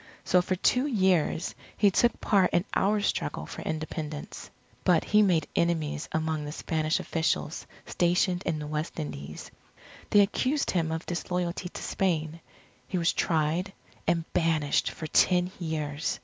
So for two years he took part in our struggle for Independence. But he made enemies among the Spanish officials stationed in the West Indies. They accused him of disloyalty to Spain. He was tried, and banished for ten years.